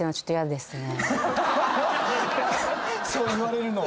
そう言われるのは。